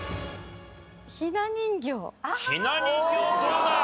ひな人形どうだ？